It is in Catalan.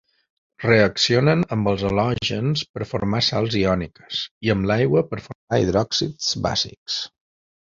Reaccionen amb els halògens per formar sals iòniques, i amb l'aigua per formar hidròxids bàsics.